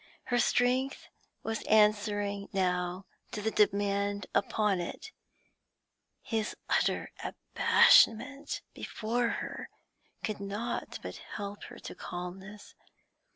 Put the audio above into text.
Her strength was answering now to the demand upon it; his utter abashment before her could not but help her to calmness.